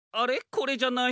これじゃない。